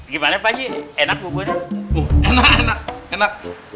gimana pak enak enak enak